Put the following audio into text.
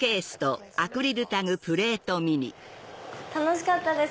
楽しかったです